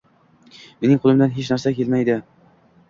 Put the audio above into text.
Mening qo’limdan hech narsa kelmaydi